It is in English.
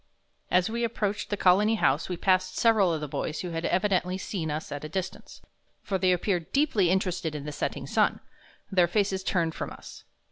As we approached the Colony House we passed several of the boys who had evidently seen us at a distance, for they appeared deeply interested in the setting sun, their faces turned from us.